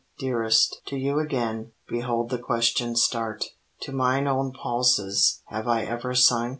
Dearest! To you again, behold the question start. To mine own pulses have I ever sung?